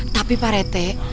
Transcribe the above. tapi pak pare teh